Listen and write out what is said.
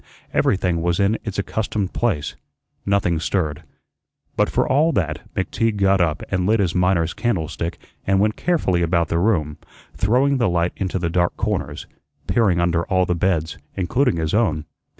Everything was in its accustomed place; nothing stirred. But for all that McTeague got up and lit his miner's candlestick and went carefully about the room, throwing the light into the dark corners, peering under all the beds, including his own.